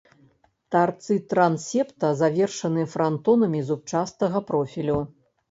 Тарцы трансепта завершаны франтонамі зубчастага профілю.